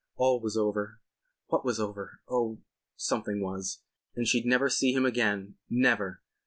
All was over. What was over? Oh—something was. And she'd never see him again—never.